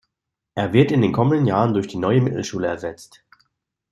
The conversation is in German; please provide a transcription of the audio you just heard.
Er wird in den kommenden Jahren durch die Neue Mittelschule ersetzt.